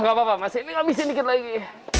nggak apa apa masih ini habisin dikit lagi